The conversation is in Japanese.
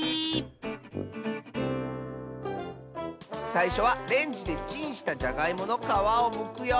さいしょはレンジでチンしたじゃがいものかわをむくよ。